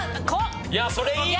いやそれいいのか？